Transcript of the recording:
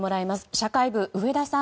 社会部、上田さん。